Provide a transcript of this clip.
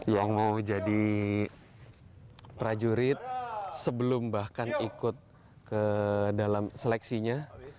yang mau jadi prajurit sebelum bahkan ikut ke dalam seleksinya